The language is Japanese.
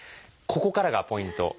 ここからがポイント。